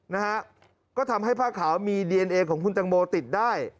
นะฮะก็ทำให้ผ้าขาวมีดีเอนเอของคุณตังโมติดได้